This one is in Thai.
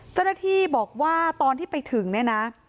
เจ้าหน้าที่บอกว่าตอนที่ไปถึงเนี่ยนะ